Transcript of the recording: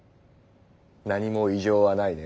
何も異常はないね。